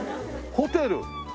ホテル？